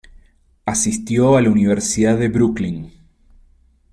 Asistió a la universidad de Brooklyn.